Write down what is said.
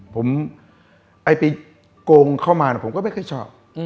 ผมไปโกงเข้ามาผมก็ไม่เคยชอบ